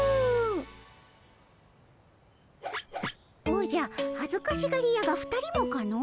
おじゃ恥ずかしがり屋が２人もかの？